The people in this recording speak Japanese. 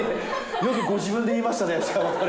よくご自分で言いましたね、それ。